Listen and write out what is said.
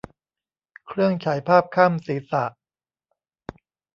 เครื่องฉายภาพข้ามศีรษะ